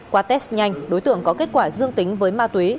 qua test nhanh đối tượng có kết quả dương tính với ma túy